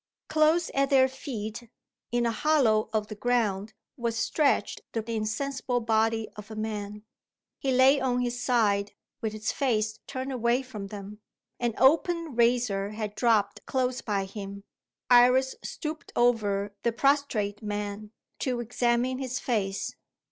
Close at their feet, in a hollow of the ground, was stretched the insensible body of a man. He lay on his side, with his face turned away from them. An open razor had dropped close by him. Iris stooped over the prostate man, to examine his face.